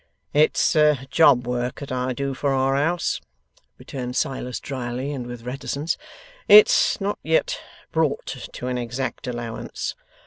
'It's job work that I do for our house,' returned Silas, drily, and with reticence; 'it's not yet brought to an exact allowance.